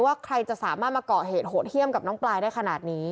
ว่าใครจะสามารถมาก่อเหตุโหดเยี่ยมกับน้องปลายได้ขนาดนี้